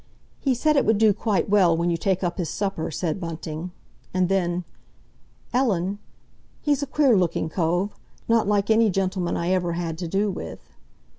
"He said it would do quite well when you take up his supper," said Bunting; and, then, "Ellen? He's a queer looking cove—not like any gentleman I ever had to do with."